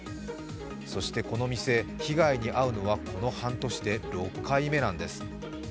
そしてこの店、被害に遭うのはこの半年で６回目なんです。